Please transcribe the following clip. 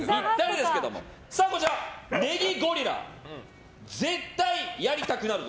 こちら、ネギゴリラで絶対やりたくなる。